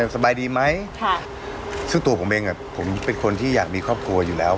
สบายดีไหมซึ่งตัวผมเองผมเป็นคนที่อยากมีครอบครัวอยู่แล้ว